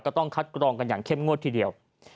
ต้องคัดกรองกันอย่างเข้มงวดทีเดียว